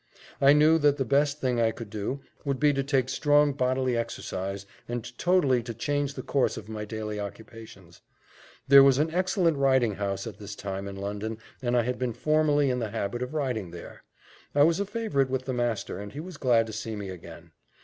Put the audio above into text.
I knew that the best thing I could do, would be to take strong bodily exercise, and totally to change the course of my daily occupations. There was an excellent riding house at this time in London, and I had been formerly in the habit of riding there. I was a favourite with the master he was glad to see me again.